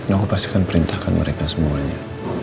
aku pastikan perintahkan mereka semuanya